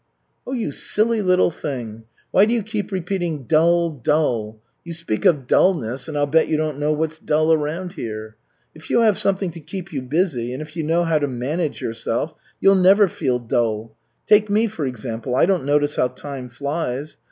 "Oh, you silly little thing! Why do you keep repeating 'dull, dull?' You speak of dullness and I'll bet you don't know what's dull around here. If you have something to keep you busy, and if you know how to manage yourself, you'll never feel dull. Take me, for example, I don't notice how time flies.